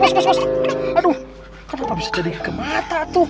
kenapa bisa jadi ke mata tuh